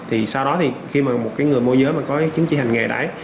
thì sau đó thì khi mà một cái người môi giới mà có chấn chỉnh hành nghề đấy